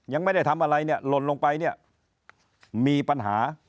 ยังไม่ได้ทำอะไรเนี่ยหล่นลงไปเนี่ยมีปัญหา